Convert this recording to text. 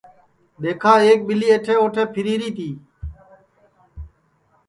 دؔیکھا ایک ٻیلی ایٹھے اوٹھے پھیری ری تی